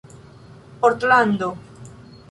portlando